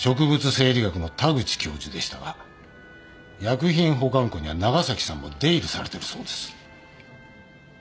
生理学の田口教授でしたが薬品保管庫には長崎さんも出入りされてるそうです。